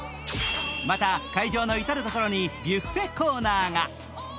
また、会場の至る所にビュッフェコーナーが。